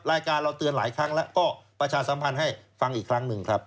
รายการเราเตือนหลายครั้งแล้วก็ประชาสัมพันธ์ให้ฟังอีกครั้งหนึ่งครับ